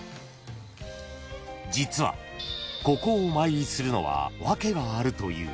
［実はここをお参りするのは訳があるという］